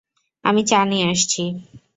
আমি চা নিয়ে আসছি।